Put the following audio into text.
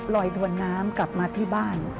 ลอยถวนน้ำกลับมาที่บ้าน